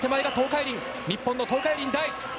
日本の東海林大。